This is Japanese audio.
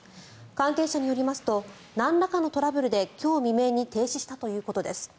関係者によりますとなんらかのトラブルで今日未明に停止したということです。